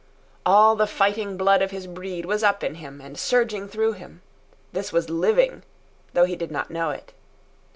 All the fighting blood of his breed was up in him and surging through him. This was living, though he did not know it.